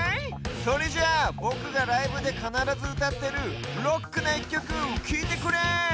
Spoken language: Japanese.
それじゃあぼくがライブでかならずうたってるロックな１きょくきいてくれ！